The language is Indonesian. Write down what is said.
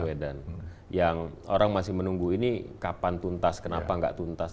yang orang masih menunggu ini kapan tuntas kenapa nggak tuntas